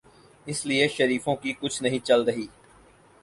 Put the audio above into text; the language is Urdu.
اسی لیے شریفوں کی کچھ نہیں چل رہی۔